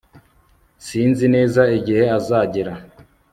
sinzi neza igihe azagera